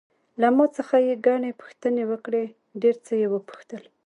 له ما څخه یې ګڼې پوښتنې وکړې، ډېر څه یې وپوښتل.